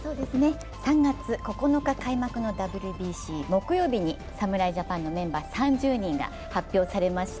３月９日開幕のＷＢＣ、木曜日に侍ジャパンのメンバー３０人が発表されました。